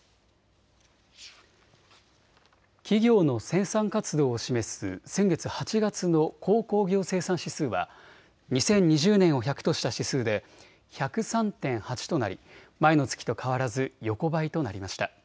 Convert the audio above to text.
企業の生産活動を示す先月８月の鉱工業生産指数は２０２０年を１００とした指数で１０３．８となり前の月と変わらず横ばいとなりました。